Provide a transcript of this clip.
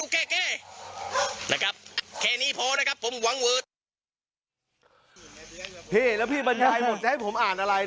เรียนเรียนเรียนเรียนเรียนเรียนเรียนเรียน